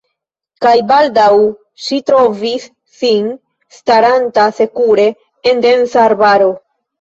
Kaj baldaŭ ŝi trovis sin staranta sekure en densa arbaro.